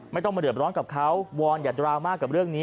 ไม่ต้องมาเดือบร้อนกับเขาวอนอย่าดราม่ากับเรื่องนี้